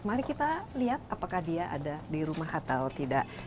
mari kita lihat apakah dia ada di rumah atau tidak